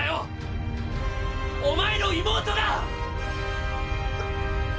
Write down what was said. お前の妹が！！っ。